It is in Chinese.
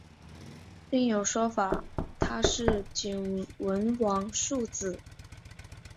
另有说法他是景文王庶子。